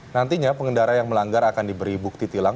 nantinya pengendara yang melanggar akan diberi bukti tilang